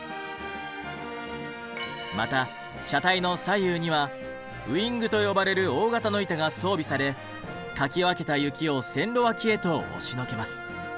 また車体の左右にはウィングと呼ばれる大型の板が装備されかき分けた雪を線路脇へと押しのけます。